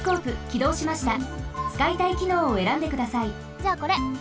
じゃあこれ！